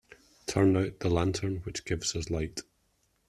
Turn out the lantern which gives us light.